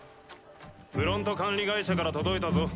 フロント管理会社から届いたぞ。